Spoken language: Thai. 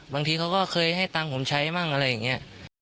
บางทีเขาก็เคยให้ตังค์ผมใช้มั่งอะไรอย่างนี้